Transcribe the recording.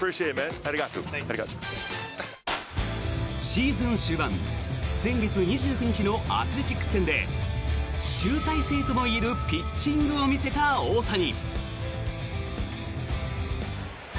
シーズン終盤先月２９日のアスレチックス戦で集大成ともいえるピッチングを見せた大谷。